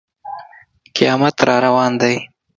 قیامت را روان دی.